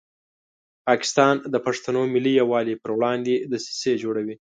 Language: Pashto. پاکستان د پښتنو ملي یووالي په وړاندې دسیسې جوړوي.